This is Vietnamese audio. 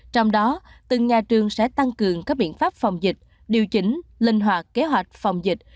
trong đó từng nhà trường sẽ tăng cường các biện pháp phòng dịch điều chỉnh linh hoạt kế hoạch phòng dịch